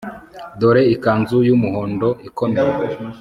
dore ikanzu y'umuhondo ikomeye